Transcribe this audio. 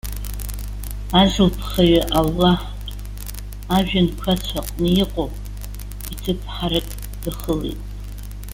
Азылԥхаҩы Аллаҳ, ажәҩанқәацә аҟны иҟоу иҭыԥҳарак дахылеит.